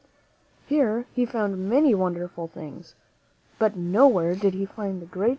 Here he found many wonderful things, but nowhere did he find the great mines y